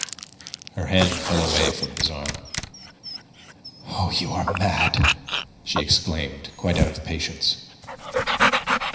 Her hand fell away from his arm. "Oh, you are mad!" she exclaimed, quite out of patience.